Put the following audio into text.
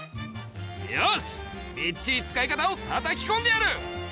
よしみっちり使い方をたたきこんでやる！